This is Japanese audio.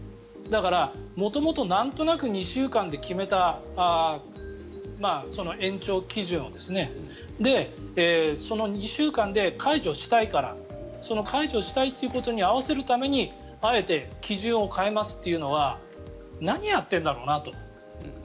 だから、元々なんとなく２週間で決めた延長基準をその２週間で解除したいから解除したいということに合わせるためにあえて基準を変えますというのは何やってんだろうなと。